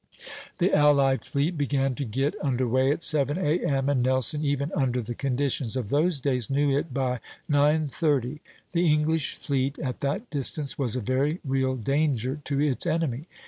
The allied fleet began to get under way at 7 A.M., and Nelson, even under the conditions of those days, knew it by 9.30. The English fleet at that distance was a very real danger to its enemy.